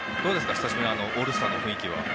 久しぶりにオールスターの雰囲気は。